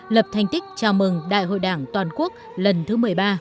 lập thành tích chào mừng đại hội đảng toàn quốc lần thứ một mươi ba